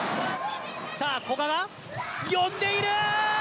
さあ、古賀が呼んでいる！